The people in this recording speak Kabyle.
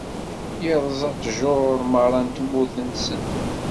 Irẓa ttjur merra n tmurt-nsen.